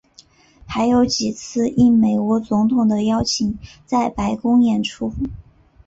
还有几次应美国总统的邀请在白宫演出。